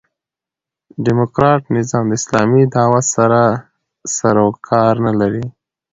ډيموکراټ نظام د اسلامي دعوت سره سر و کار نه لري.